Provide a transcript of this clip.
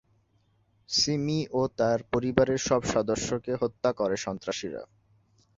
সিমি ও তার পরিবারের সব সদস্যকে হত্যা করে সন্ত্রাসীরা।